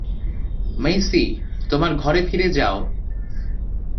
মেইসি, তোমার ঘরে ফিরে যাও!